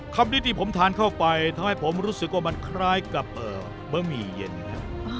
คำนี้ที่ผมทานเข้าไปทำให้ผมรู้สึกว่ามันคล้ายกับเบอร์มี่เย็นนะ